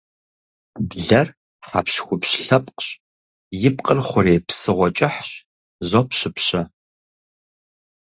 Блэр хьэпщхупщ лъэпкъщ, и пкъыр хъурей псыгъуэ кӏыхьщ, зопщыпщэ.